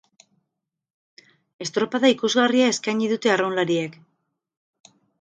Estropada ikusgarria eskaini dute arraunlariek.